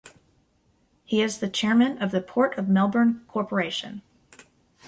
He is the Chairman of the Port of Melbourne Corporation.